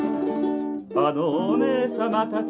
あのお姉様たち？